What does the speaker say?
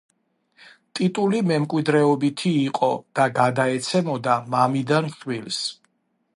ტიტული მემკვიდრეობითი იყო და გადაეცემოდა მამიდან შვილს.